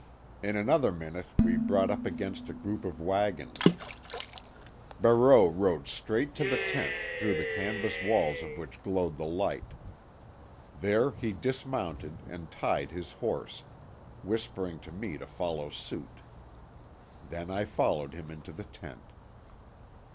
In another minute we brought up against a group of wagons. Barreau rode straight to the tent, through the canvas walls of which glowed the light. There he dismounted and tied his horse, whispering to me to follow suit. Then I followed him into the tent.